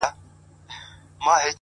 حتمآ به ټول ورباندي وسوځيږي ـ